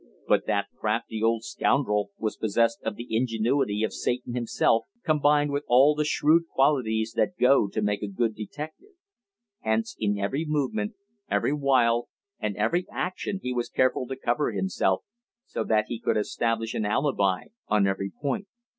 But that crafty old scoundrel was possessed of the ingenuity of Satan himself, combined with all the shrewd qualities that go to make a good detective; hence in every movement, every wile, and every action he was careful to cover himself, so that he could establish an alibi on every point.